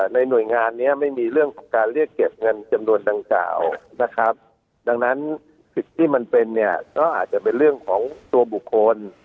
หน่วยงานนี้ไม่มีเรื่องของการเรียกเก็บเงินจำนวนดังกล่าวนะครับดังนั้นสิทธิ์ที่มันเป็นเนี่ยก็อาจจะเป็นเรื่องของตัวบุคคล